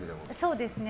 そうですね。